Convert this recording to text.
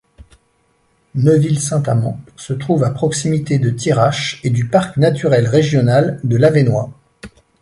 Neuville-Saint-Amand se trouve à proximité de Thiérache et du parc naturel régional de l'Avesnois.